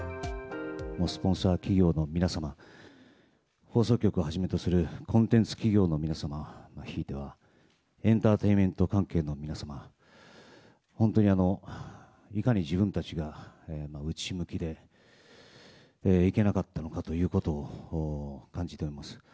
スポンサー企業の皆様、放送局をはじめとするコンテンツ企業の皆様、ひいてはエンターテインメント関係の皆様、本当に、いかに自分たちが内向きでいけなかったのかということを感じております。